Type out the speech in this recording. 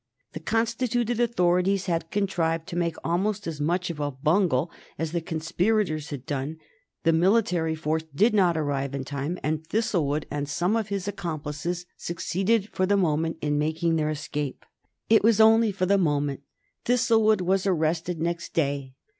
The constituted authorities had contrived to make almost as much of a bungle as the conspirators had done; the military force did not arrive in time, and Thistlewood and some of his accomplices succeeded, for the moment, in making their escape. It was only for the moment. Thistlewood was arrested next day.